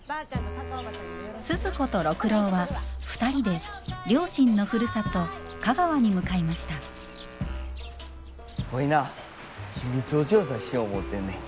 スズ子と六郎は２人で両親のふるさと香川に向かいましたワイな秘密を調査しよ思うてんねん。